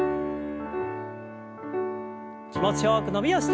気持ちよく伸びをして。